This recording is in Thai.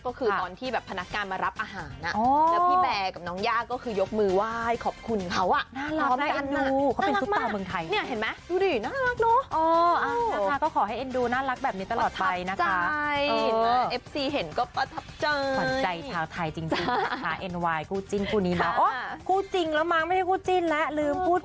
ก็คือตอนที่พนักการมารับอาหาร